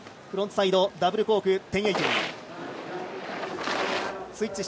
フロントサイドダブルコーク１２６０。